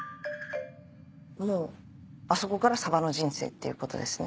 もうあそこからサバの人生っていうことですね？